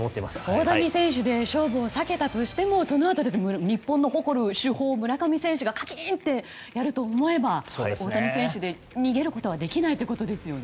大谷選手で勝負を避けたとしてもそのあとで日本の誇る主砲村上選手がカキンとやると思えば大谷選手で逃げることはできないということですね。